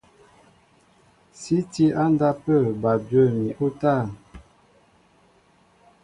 Sí tí á ndápə̂ bal dwə̂m ni útân.